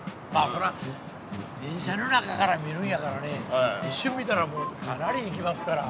◆そら、電車の中から見るんやからね、一瞬見たら、かなり行きますから。